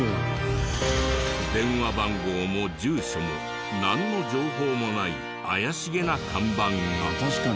電話番号も住所もなんの情報もない怪しげな看板が。